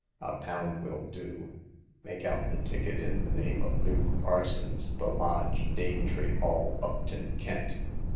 " A pound will do ; make out the ticket in the name of Luke Parsons, The Lodge, Danetree Hall, Buckton, Kent."